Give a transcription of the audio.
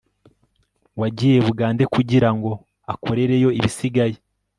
wagiye bugande kugirango akorereyo ibisigaye